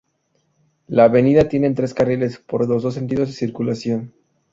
La avenida tiene tres carriles por los dos sentidos de circulación.